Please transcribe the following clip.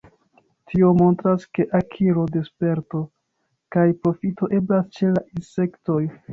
Tio montras, ke akiro de sperto kaj profito eblas ĉe la insektoj.